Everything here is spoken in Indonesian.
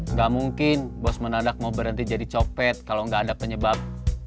nggak mungkin bos menadak mau berhenti jadi copet kalau nggak ada penyebab